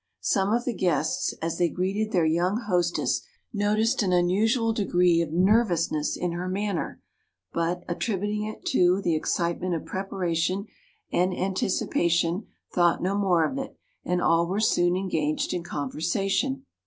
Some of the guests, as they greeted their young hostess, noticed an unusual degree of nervousness in her manner, but, attributing it to the excitement of preparation and anticipation, thought no more of it, and all were soon engaged in conversation.